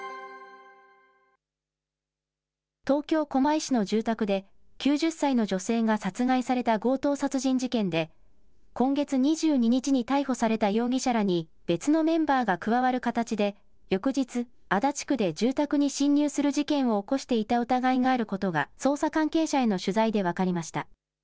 東京・狛江市の住宅で、９０歳の女性が殺害された強盗殺人事件で、今月２２日に逮捕された容疑者らに別のメンバーが加わる形で翌日、足立区で住宅に侵入する事件を起こしていた疑いがあることが、捜査関係者への取材で分かりました。